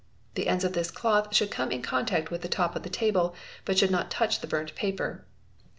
The ends of this cloth should come in contact with the top of the table, but should not touch the burnt paper.